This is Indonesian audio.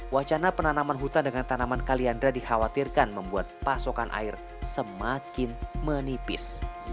wacana penanaman hutan dengan tanaman kaliandra dikhawatirkan membuat pasokan air semakin menipis